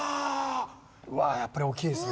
うわやっぱり大きいですね。